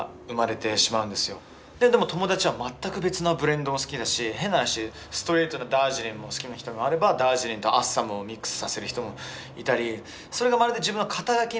でも友達は全く別のブレンドも好きだし変な話ストレートのダージリンも好きな人もあればダージリンとアッサムをミックスさせる人もいたり。